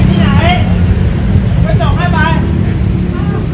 ทำไมคะมาเยื่อนหนังสือมาเลือกเรื่องอะไรค่ะ